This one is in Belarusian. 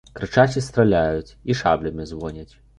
Крычаць, і страляюць, і шаблямі звоняць.